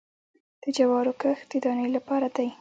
د جوارو کښت د دانې لپاره دی